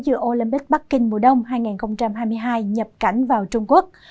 giữa olympic bắc kinh mùa đông hai nghìn hai mươi hai nhập cảnh vào trung quốc